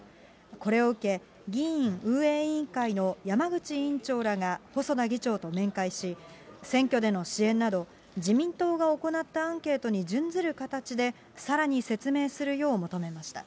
これを受け、議院運営委員会の山口委員長らが細田議長と面会し、選挙での支援など、自民党が行ったアンケートに準ずる形で、さらに説明するよう求めました。